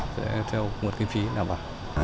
để theo nguồn kinh phí đảm bảo